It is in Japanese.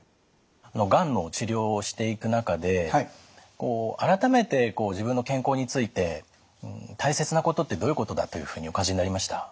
がんの治療をしていく中で改めて自分の健康について大切なことってどういうことだというふうにお感じになりました？